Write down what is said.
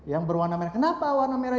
yang berwarna merah kenapa warna merah